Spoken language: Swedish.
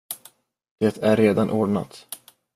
Det är redan ordnat.